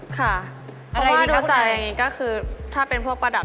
ค่ะเพราะว่าดูใจอย่างนี้ก็คือถ้าเป็นพวกประดับ